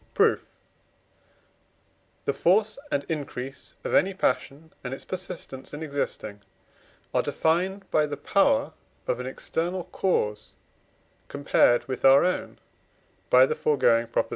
Proof. The force and increase of any passion and its persistence in existing are defined by the power of an external cause compared with our own (by the foregoing Prop.)